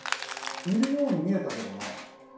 いるように見えたけどな。